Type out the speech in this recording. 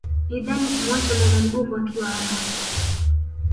Ni dhambi kumuacha mama mgumba akiwa hana mtoto